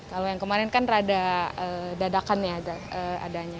kalau yang kemarin kan rada dadakan ya adanya